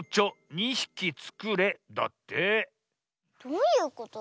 どういうこと？